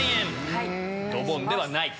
ドボンではない。